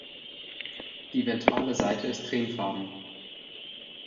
Die ventrale Seite ist cremefarben.